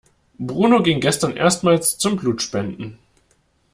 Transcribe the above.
Bruno ging gestern erstmals zum Blutspenden.